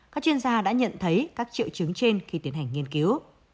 các chuyên gia đã nhận thấy các triệu chứng trên khi tiến hành nghiên cứu